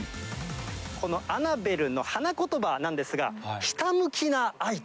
このアナベルの花言葉なんですが、ひたむきな愛と。